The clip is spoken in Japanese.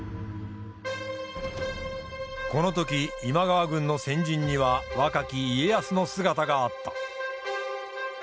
この時今川軍の先陣には若き家康の姿があった。